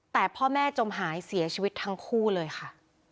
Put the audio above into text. แต่พ่อแม่จมหายเสียชีวิตทั้งคู่เลยค่ะ